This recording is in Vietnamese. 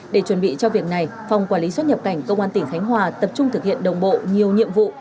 để chuẩn bị cho việc này phòng quản lý xuất nhập cảnh công an tỉnh khánh hòa tập trung thực hiện đồng bộ nhiều nhiệm vụ